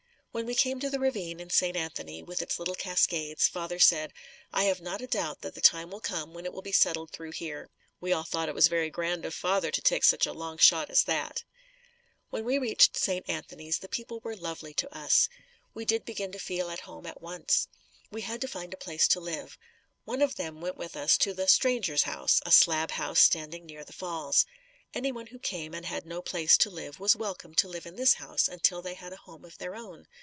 When we came to the ravine in St. Anthony, with its little cascades, father said, "I have not a doubt that the time will come when it will be settled through here." We all thought it was very grand of father to take such a long shot as that. When we reached St. Anthony, the people were lovely to us. We did begin to feel at home at once. We had to find a place to live. One of them went with us to the "Stranger's House," a slab house standing near the falls. Anyone who came and had no place to live was welcome to live in this house until they had a home of their own.